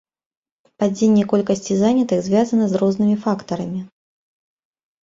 Падзенне колькасці занятых звязана з рознымі фактарамі.